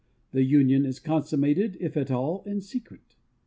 The union is consummated, if at all, in secret.